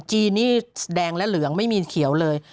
จีนนี่แดงและเหลืองไม่มีเขียวเลย